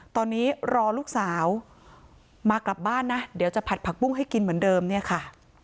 ตอนนี้รอลูกสาวมากลับบ้านนะเดี๋ยวจะผัดผักบุ้งให้กินเหมือนเดิมเนี่ยค่ะ